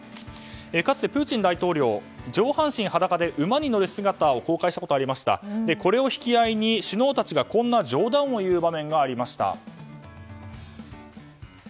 かつてプーチン大統領上半身裸で馬に乗る姿を公開したことがありましたこれを引き合いに首脳たちがこんな冗談を言う場面がありました。